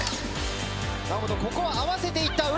ここは合わせていった。